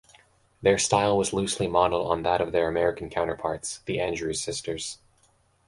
Their style was loosely modelled on that of their American counterparts, the Andrews Sisters.